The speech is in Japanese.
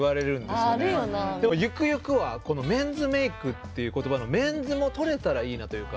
ゆくゆくはメンズメイクっていう言葉のメンズも取れたらいいなというか。